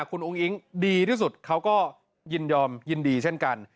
คุณอุ้งอิ๊งดีที่สุดเขาก็ยินยอมยินดีเช่นกัน